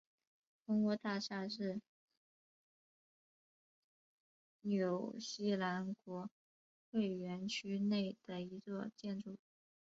蜂窝大厦是纽西兰国会园区内的一座建筑。